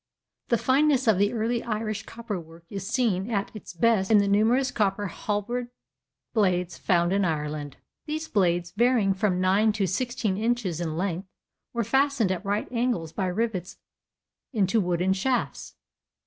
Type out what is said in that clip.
The fineness of the early Irish copper work is seen at its best in the numerous copper halberd blades found in Ireland. These blades, varying from nine to sixteen inches in length, were fastened at right angles by rivets into wooden shafts.